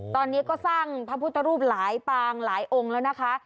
ตอนนี้ก็สร้างพระพุทธรูปหลายปางหลายองค์แล้วนะคะ